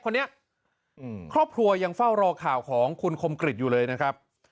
คนนี้ครอบครัวยังเฝ้ารอข่าวของคุณคมกริจอยู่เลยนะครับ